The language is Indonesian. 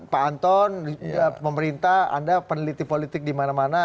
pak anton pemerintah anda peneliti politik di mana mana